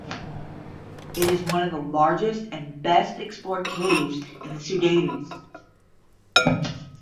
It is one of the largest and best explored caves in the Sudetes.